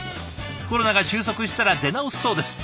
コロナが収束したら出直すそうです。